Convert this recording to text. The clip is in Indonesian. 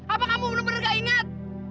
apa kamu bener bener gak inget